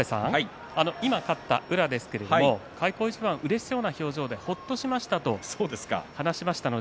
宇良ですが開口一番うれしそうな表情でほっとしましたと話しました。